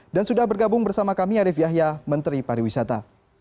dan sudah bergabung bersama kami arief yahya menteri pariwisata